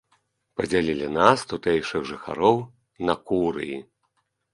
Падзялілі нас, тутэйшых жыхароў, на курыі.